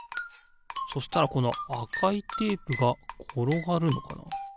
そしたらこのあかいテープがころがるのかな？